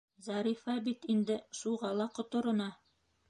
Зарифа бит инде шуға ла ҡоторона.